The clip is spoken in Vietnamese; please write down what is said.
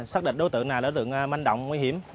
xác định đối tượng này là đối tượng manh động nguy hiểm